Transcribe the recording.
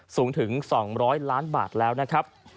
สูงถึง๒๐๐ล้านบาทแล้วนะครับ